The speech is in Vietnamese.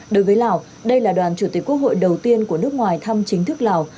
đối với lào đây là đoàn chủ tịch quốc hội đầu tiên của nước ngoài thăm chính thức lào